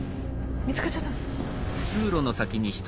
見つかっちゃったんですか？